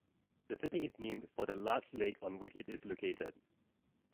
The city is named for the large lake on which it is located.